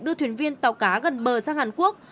đưa thuyền viên tàu cá gần bờ sang hàn quốc